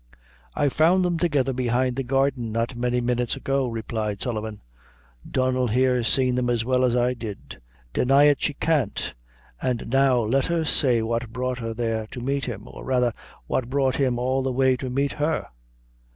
"I found them together behind the garden not many minutes ago," replied Sullivan. "Donnel here seen them as well as I did deny it she can't; an' now let her say what brought her there to meet him, or rather what brought him all the way to meet her?